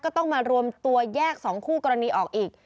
ก็ต้องมารวมตัวแยก๒คู่กรณีออกอีก